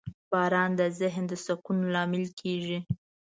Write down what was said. • باران د ذهن د سکون لامل کېږي.